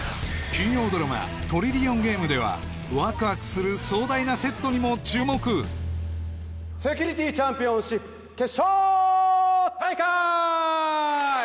金曜ドラマ「トリリオンゲーム」ではにも注目セキュリティチャンピオンシップ決勝大会！